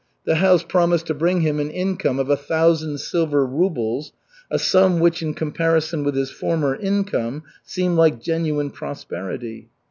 The house promised to bring him an income of a thousand silver rubles, a sum which in comparison with his former income, seemed like genuine prosperity.